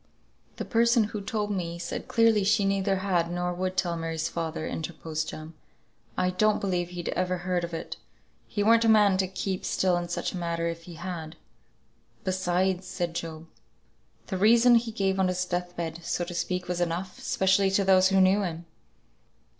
"The person who told me said clearly she neither had, nor would tell Mary's father," interposed Jem. "I don't believe he'd ever heard of it; he weren't a man to keep still in such a matter, if he had." "Besides," said Job, "the reason he gave on his death bed, so to speak, was enough; 'specially to those who knew him."